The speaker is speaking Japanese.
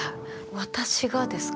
私がですか？